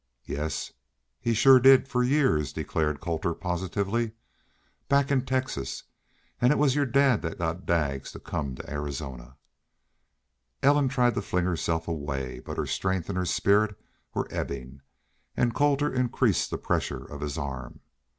"Yes, he shore did, for years," declared Colter, positively. "Back in Texas. An' it was your dad that got Daggs to come to Arizona." Ellen tried to fling herself away. But her strength and her spirit were ebbing, and Colter increased the pressure of his arm.